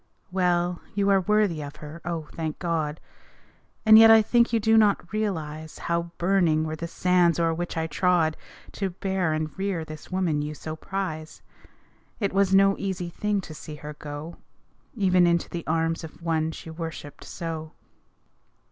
Well, you are worthy of her oh, thank God And yet I think you do not realize How burning were the sands o'er which I trod, To bear and rear this woman you so prize. It was no easy thing to see her go Even into the arms of the one she worshiped so.